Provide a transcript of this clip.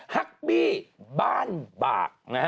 ฮักบี้บ้านบาก